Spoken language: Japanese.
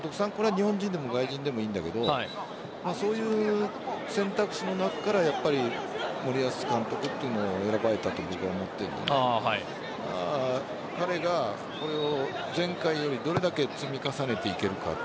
日本人でも外国人でもいいんだけどそういう選択肢の中から森保監督というのが選ばれたと思っているんだけど彼が前回よりどれだけ積み重ねていけるか。